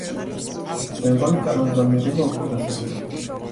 მემგონი კანონზომიერება უკვე გასაგებია.